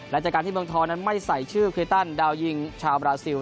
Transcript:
และจากการที่เมืองทองนั้นไม่ใส่ชื่อคลิตันดาวยิงชาวบราซิล